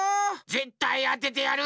ぜったいあててやる！